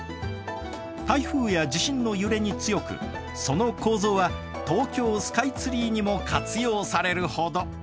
台風や地震の揺れに強くその構造は東京スカイツリーにも活用されるほど！